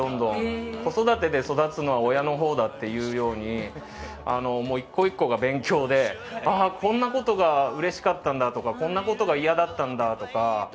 子育てで育つのは親のほうだっていうように１個１個が勉強でこんなことがうれしかったんだとかこんなことが嫌だったんだとか。